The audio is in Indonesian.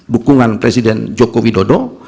dukungan presiden joko widodo